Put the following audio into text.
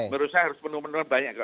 menurut saya harus penuh benar banyak